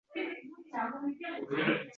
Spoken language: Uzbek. Oqibat, merosxo‘rlar o‘zaro janjal qiladi.